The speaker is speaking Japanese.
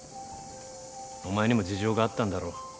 お前にも事情があったんだろう。